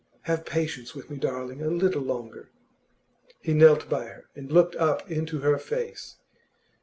Have patience with me, darling, a little longer.' He knelt by her, and looked up into her face.